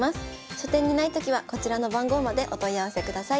書店にないときはこちらの番号までお問い合わせください。